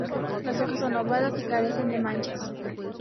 Las hojas son ovadas y carecen de manchas.